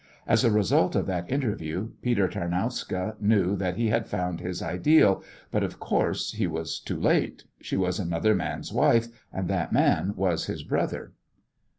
As a result of that interview Peter Tarnowska knew that he had found his ideal, but, of course, he was too late. She was another man's, and that man was his brother.